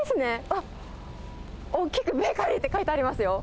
あっ、大きくベーカリーって書いてありますよ。